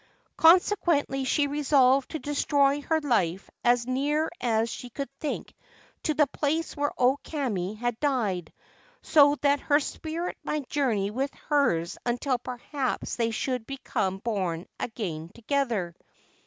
Consequently she resolved to destroy her life as near as she could think to the place where O Kame had died, so that her spirit might journey with hers until perhaps they should become born again together.